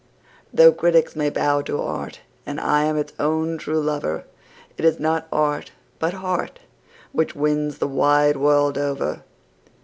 Though critics may bow to art, and I am its own true lover, It is not art, but heart, which wins the wide world over.